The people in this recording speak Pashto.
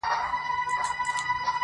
باران به اوري څوک به ځای نه درکوینه٫